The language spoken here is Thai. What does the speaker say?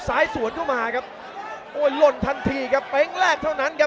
สวนเข้ามาครับโอ้หล่นทันทีครับเป๊งแรกเท่านั้นครับ